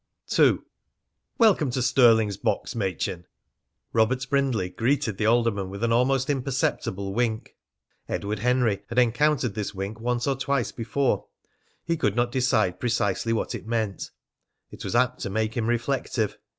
II. "Welcome to Stirling's box, Machin!" Robert Brindley greeted the alderman with an almost imperceptible wink. Edward Henry had encountered this wink once or twice before; he could not decide precisely what it meant; it was apt to make him reflective.